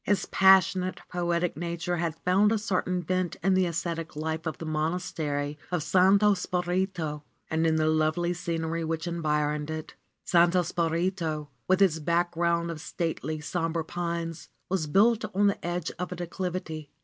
His passionate, poetic nature had found a certain vent in the ascetic life of the Monastery of Santo Spirito and in the lovely scenery which environed it. Santo Spirito, with its background of stately, somber pines, was built on the edge of a declivity.